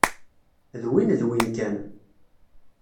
D win d win kan.